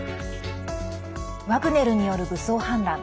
ワグネルによる武装反乱。